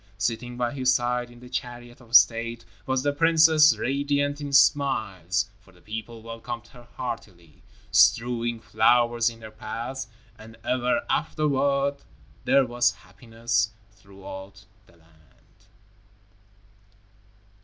Sitting by his side in the chariot of state, was the princess, radiant in smiles, for the people welcomed her heartily, strewing flowers in her path. And ever afterward there was happiness throughout the land.